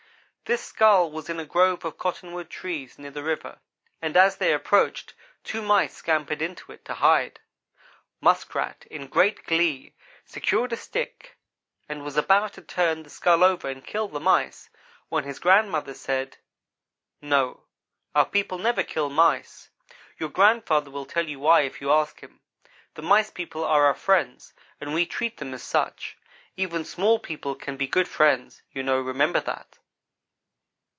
This skull was in a grove of cottonwood trees near the river, and as they approached two Mice scampered into it to hide. Muskrat, in great glee, secured a stick and was about to turn the skull over and kill the Mice, when his grandmother said: "No, our people never kill Mice. Your grandfather will tell you why if you ask him. The Mice people are our friends and we treat them as such. Even small people can be good friends, you know remember that."